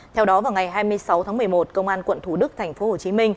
theo đó vào ngày hai mươi sáu tháng một mươi một công an quận thủ đức tp hcm